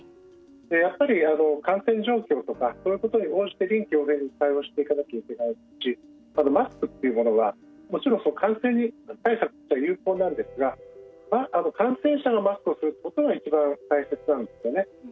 やっぱり感染状況とかそういうことに応じて臨機応変に対応していかなきゃいけないしマスクっていうものは、もちろん感染対策に有効なんですが感染者がマスクをすることが一番大切なんですよね。